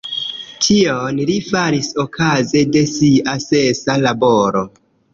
Tion li faris okaze de sia sesa laboro.